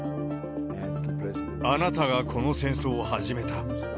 あなたがこの戦争を始めた。